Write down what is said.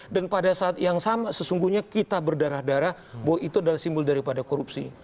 dan pada saat yang sama sesungguhnya kita berdarah darah bahwa itu adalah simbol daripada korupsi